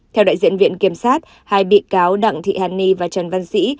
theo đại diện viện kiểm sát hai bị cáo đặng thị hằng nhi và trần văn sĩ